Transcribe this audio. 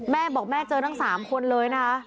แม่บอกแม่เจอทั้ง๓คนเลยนะคะ